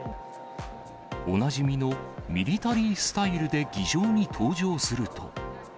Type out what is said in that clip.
おなじみのミリタリースタイルで議場に登場すると。